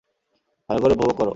ভালো করে উপভোগ কর।